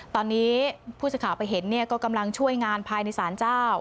ตอนนี้ผู้จัดข่าวไปเห็นก็กำลังช่วยงานภายในสารเจ้า